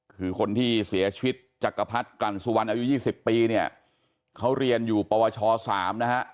คือคนที่เสียชีวิตจักรพรรดิกลั่นสุวรรณอายุ๒๐ปีเนี่ยเขาเรียนอยู่ปวช๓นะฮะ